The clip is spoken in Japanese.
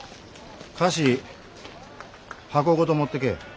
菓子箱ごと持ってけえ。